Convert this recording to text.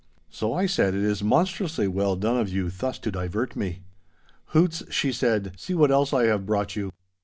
So I said, 'It is monstrously well done of you thus to divert me.' 'Hoots,' she said, 'see what else I have brought you.